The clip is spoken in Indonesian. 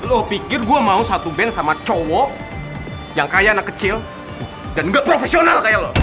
lo pikir gue mau satu band sama cowok yang kaya anak kecil dan nggak profesional kayak lo